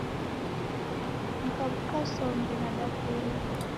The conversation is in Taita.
Nikabuka sombe nidapoilwa.